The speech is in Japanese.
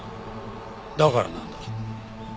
だからなんだ？